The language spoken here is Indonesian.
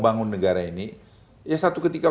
bangun negara ini ya satu ketika